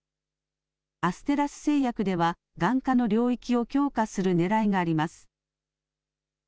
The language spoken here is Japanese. アステラス製薬では眼科の領域を強化するねらいがあります。